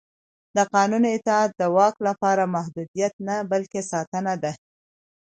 د قانون اطاعت د واک لپاره محدودیت نه بلکې ساتنه ده